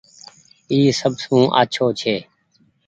اي سب سون آڇو ڇي۔